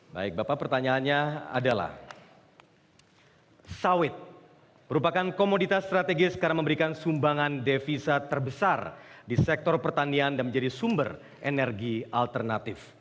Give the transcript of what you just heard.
baik bapak pertanyaannya adalah sawit merupakan komoditas strategis karena memberikan sumbangan devisa terbesar di sektor pertanian dan menjadi sumber energi alternatif